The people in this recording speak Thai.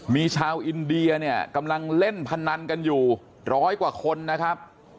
มีชาวอินเดียเนี่ยกำลังเล่นพนันกันอยู่ร้อยกว่าคนนะครับ